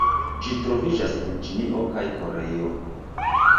Ĝi troviĝas en Ĉinio kaj Koreio.